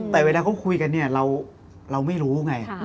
แต่เวลาเขาคุยกันเนี่ยเราไม่รู้ไง